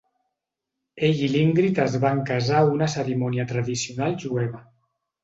Ell i l'Ingrid es van casar a una cerimònia tradicional jueva.